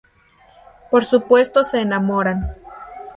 Por supuesto se enamoran.